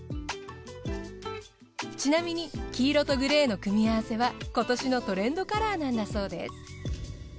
ちなみに黄色とグレーの組み合わせは今年のトレンドカラーなんだそうです。